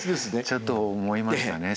ちょっと思いましたね